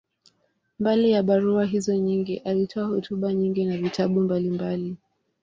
Mbali ya barua hizo nyingi, alitoa hotuba nyingi na vitabu mbalimbali.